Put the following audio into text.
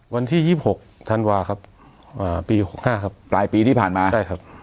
วันที่ยี่สิบหกธันวาคับอ่าปีหกห้าครับปลายปีที่ผ่านมาใช่ครับ